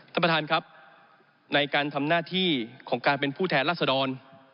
ท่านประธานครับในการทำหน้าที่ของการเป็นผู้แทนรัศดร